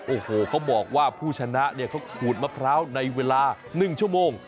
โอ้โหเขาบอกว่าผู้ชนะเนี่ยเขาขูดมะพร้าวในเวลา๑ชั่วโมง